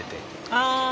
ああ。